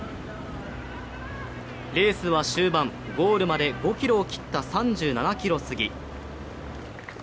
レースは終盤、ゴールまで５ｋｍ切った３７ｋｍすぎ。